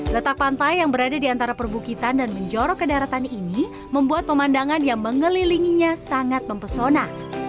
letak pantai yang berada di antara perbukitan dan menjorok ke daratan ini membuat pemandangan yang mengelilinginya sangat mempesona